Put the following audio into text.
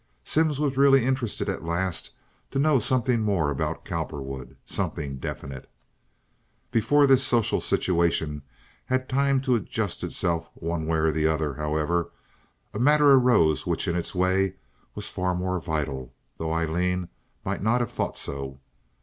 Simms was really interested at last to know something more about Cowperwood, something definite. Before this social situation had time to adjust itself one way or the other, however, a matter arose which in its way was far more vital, though Aileen might not have thought so.